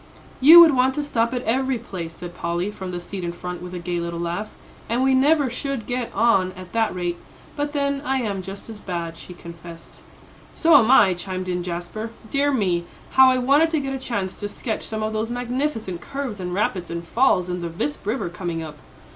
"You would want to stop at every place," said Polly, from the seat in front, with a gay little laugh. "And we never should get on at that rate. But then I am just as bad," she confessed. "So am I," chimed in Jasper. "Dear me, how I wanted to get a chance to sketch some of those magnificent curves and rapids and falls in the Visp River coming up."